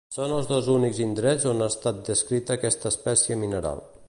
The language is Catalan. Són els dos únics indrets on ha estat descrita aquesta espècie mineral.